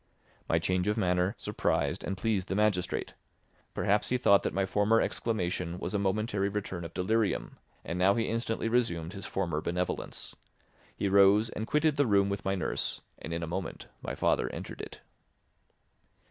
My change of manner surprised and pleased the magistrate; perhaps he thought that my former exclamation was a momentary return of delirium, and now he instantly resumed his former benevolence. He rose and quitted the room with my nurse, and in a moment my father entered it.